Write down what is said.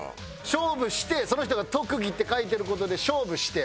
勝負してその人が特技って書いてる事で勝負して。